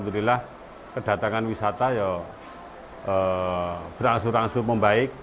tidak bosan dekat dengan solo